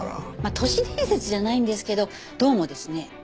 都市伝説じゃないんですけどどうもですね